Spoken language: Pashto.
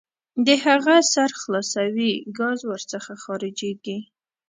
د هغه سر خلاصوئ ګاز ور څخه خارجیږي.